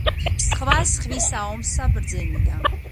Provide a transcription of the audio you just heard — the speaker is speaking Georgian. სხვა სხვისა ომსა ბრძენია